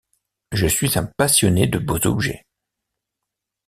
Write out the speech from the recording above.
Je suis un passionné de beaux objets.